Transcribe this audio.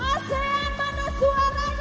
asean mana suaranya